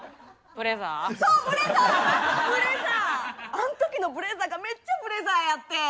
あん時のブレザーがめっちゃブレザーやってん。